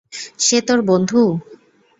সে তোর বন্ধু?